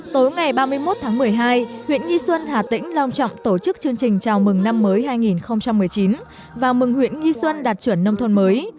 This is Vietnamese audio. tối ngày ba mươi một tháng một mươi hai huyện nghi xuân hà tĩnh long trọng tổ chức chương trình chào mừng năm mới hai nghìn một mươi chín và mừng huyện nghi xuân đạt chuẩn nông thôn mới